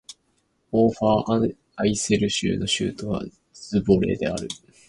オーファーアイセル州の州都はズヴォレである